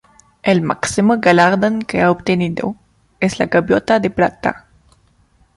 El máximo galardón que ha obtenido es la "gaviota de plata".